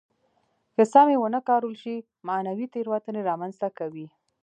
که سمې ونه کارول شي معنوي تېروتنې را منځته کوي.